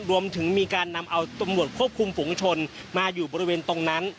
รวมถึงมีการนำเอาตำรวจควบคุมฝุงชนมาอยู่บริเวณตรงนั้น